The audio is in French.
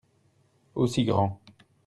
Aussi grand.